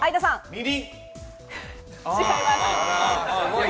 みりん。